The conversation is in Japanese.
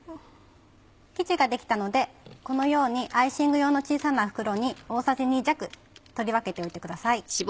生地ができたのでこのようにアイシング用の小さな袋に大さじ２弱取り分けておいてください。